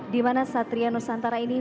dimana satria nusantara ini